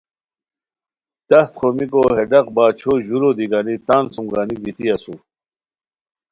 تختہ خومیکو ہے ڈاق باچھو ژورو دی گانی تان سوم گانی گیتی اسور